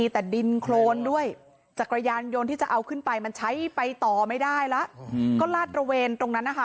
ตณที่จะเอาขึ้นไปมันใช้ไปต่อไม่ได้ล่ะก็ลาดตรวนตรงนั้นนะคะ